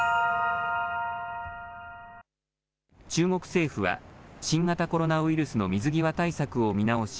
中国政府は新型コロナウイルスの水際対策を見直し